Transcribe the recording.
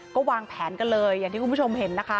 ก็วางแผนกันเลยอย่างที่คุณผู้ชมเห็นนะคะ